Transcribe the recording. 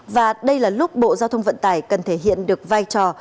và đây là lúc bộ giao thông vận tải cần thể hiện được vai trò